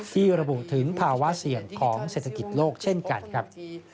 ที่ระบุถึงภาวะเสี่ยงของเศรษฐกิจโลกเช่นกันครับ